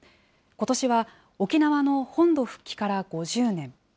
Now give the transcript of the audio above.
ことしは沖縄の本土復帰から５０年。